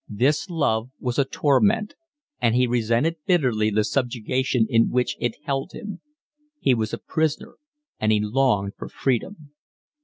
This love was a torment, and he resented bitterly the subjugation in which it held him; he was a prisoner and he longed for freedom.